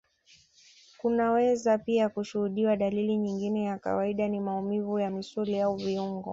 kunaweza pia kushuhudiwa dalili nyingine ya kawaida ni maumivu ya misuli au viungo